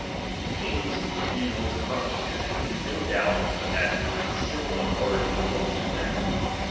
Kings being once constituted, it is no doubt c but the cicil authority belonged to them.